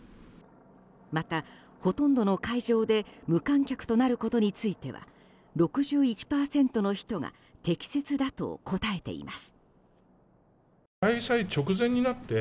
また、ほとんどの会場で無観客となることについては６１％の人が適切だと答えています。